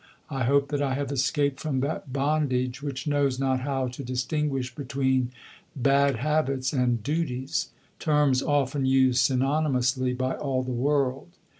I hope that I have escaped from that bondage which knows not how to distinguish between "bad habits" and "duties" terms often used synonymously by all the world.